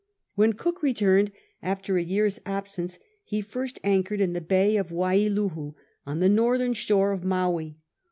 When Cook returned after a year's absence he first anchored in the Bay of Wailuhu on the northern shore of Maui.